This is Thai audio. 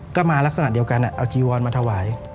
ก็มาลักษณะเดียวกันเอาจีวอนมาถวาย